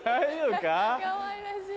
かわいらしい。